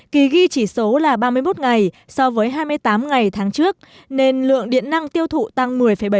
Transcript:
kỳ ghi chỉ số là ba mươi một ngày so với hai mươi tám ngày tháng trước nên lượng điện năng tiêu thụ tăng một mươi bảy